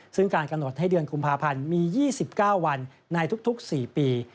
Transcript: ซึ่งการกำหนดให้เดือนกุมภาพันธ์มี๒๙วันในทุก๔ปี